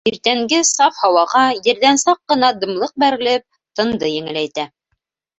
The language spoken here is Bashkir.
Иртәнге саф һауаға ерҙән саҡ ҡына дымлыҡ бәрелеп, тынды еңеләйтә.